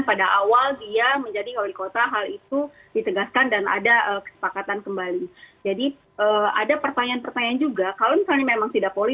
saya pikir batalnya indonesia menjadi tuan rumah piala